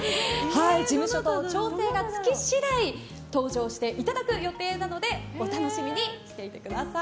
事務所と調整がつき次第登場していただく予定なのでお楽しみにしていてください！